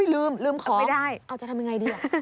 ลืมลืมของไม่ได้เอาจะทำยังไงดี